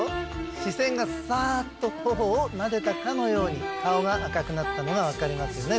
視線がさっと頬をなでたかのように顔が赤くなったのが分かりますよね